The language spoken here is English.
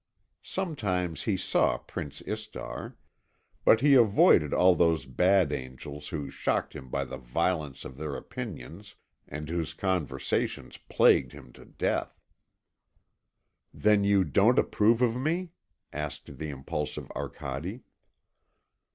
Sometimes he saw Prince Istar. But he avoided all those bad angels who shocked him by the violence of their opinions and whose conversations plagued him to death. "Then you don't approve of me?" asked the impulsive Arcade.